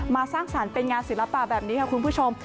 สร้างสรรค์เป็นงานศิลปะแบบนี้ค่ะคุณผู้ชม